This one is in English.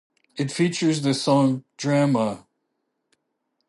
It features the song "Drama".